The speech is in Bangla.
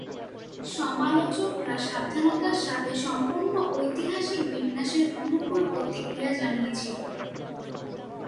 সমালোচকরা সাবধানতার সাথে সম্পন্ন ঐতিহাসিক বিন্যাসের অনুকূল প্রতিক্রিয়া জানিয়েছিল।